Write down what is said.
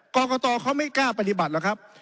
กรกตเขาไม่กล้าปฏิบัติหรอกครับ